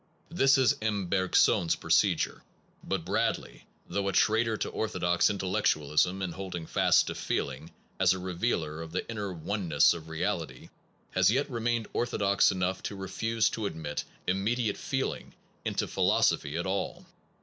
This is M. Berg son s procedure; but Bradley, though a traitor to orthodox intellectualism in holding fast to feeling as a revealer of the inner oneness of reality, has yet remained orthodox enough to refuse to admit immediate feeling into philos ophy at all.